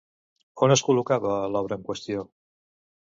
On es col·locava, l'obra en qüestió?